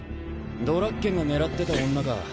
ドラッケンが狙ってた女か。